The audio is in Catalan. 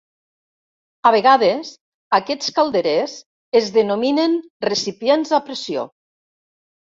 A vegades, aquests calderers es denominen recipients a pressió.